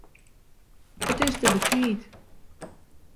It is te betiid.